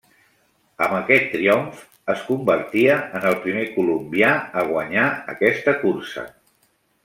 Amb aquest triomf es convertia en el primer colombià a guanyar aquesta cursa.